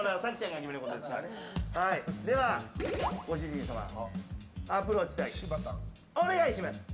では、ご主人様アプローチ対決お願いします。